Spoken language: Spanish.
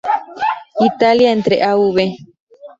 Italia entre Av.